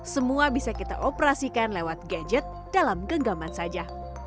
semua bisa kita operasikan lewat gadget dalam genggaman saja